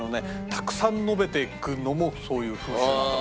たくさん述べていくのもそういう風習なんだって。